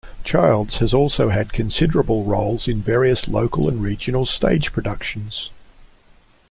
Childs has also had considerable roles in various local and regional stage productions.